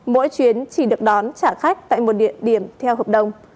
mỗi chuyến chỉ được đón trả khách tại một địa điểm theo hợp đồng